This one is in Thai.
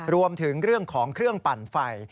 รวมถึงเรื่องของเครื่องปั่นไฟ